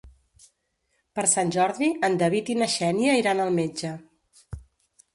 Per Sant Jordi en David i na Xènia iran al metge.